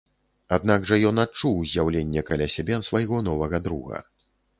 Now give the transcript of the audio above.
Аднак жа ён адчуў з'яўленне каля сябе свайго новага друга.